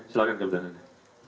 silakan keberadaan anda